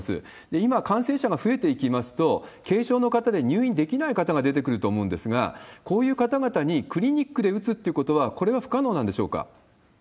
今、感染者が増えていきますと、軽症の方で入院できない方が出てくると思うんですが、こういう方々にクリニックで打つっていうことは、これは不可能なんでしょうか。